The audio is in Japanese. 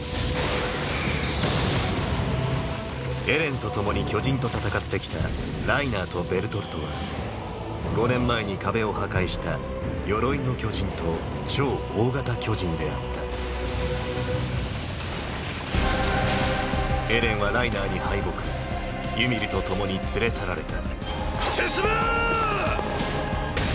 エレンと共に巨人と戦ってきたライナーとベルトルトは５年前に壁を破壊した「鎧の巨人」と「超大型巨人」であったエレンはライナーに敗北ユミルと共に連れ去られた進めーーっ！！